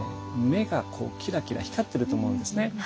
目がこうキラキラ光ってると思うんですね。